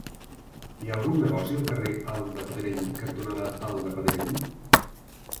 Hi ha algun negoci al carrer Alt de Pedrell cantonada Alt de Pedrell?